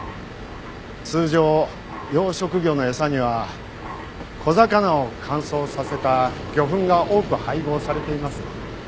通常養殖魚の餌には小魚を乾燥させた魚粉が多く配合されています。